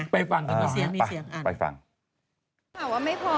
ถึงถามว่าไม่พร้อม